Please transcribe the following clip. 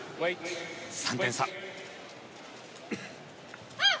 ３点差。